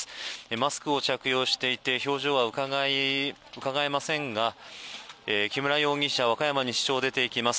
マスクを着用していて表情はうかがえませんが木村容疑者和歌山西署を出て行きます。